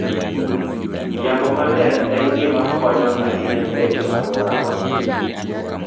Yamo maler en gima konyo ahinya e rito alworawa.